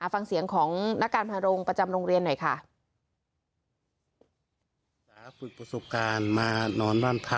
ฟังเสียงของนักการพาโรงประจำโรงเรียนหน่อยค่ะ